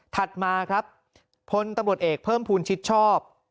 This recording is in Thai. ถัดมาครับพลตำรวจเอกเพิ่มภูมิชิดชอบ